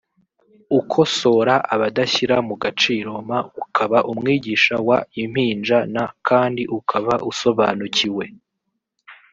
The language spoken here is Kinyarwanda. ukosora abadashyira mu gaciro m ukaba umwigisha w impinja n kandi ukaba usobanukiwe